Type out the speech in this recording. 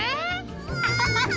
アハハハ！